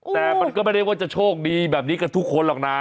แต่มันก็ไม่ได้ว่าจะโชคดีแบบนี้กับทุกคนหรอกนะ